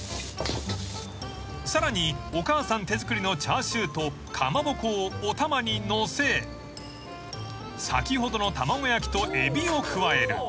［さらにお母さん手作りのチャーシューとかまぼこをおたまにのせ先ほどの卵焼きとエビを加える］